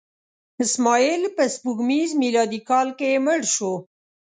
اسماعیل په سپوږمیز میلادي کال کې مړ شو.